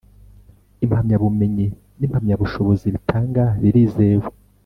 impamyabumenyi nimpamyabushobozi ritanga birizewe